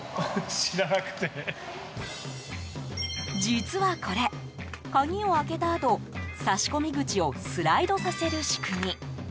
実はこれ、鍵を開けたあと差し込み口をスライドさせる仕組み。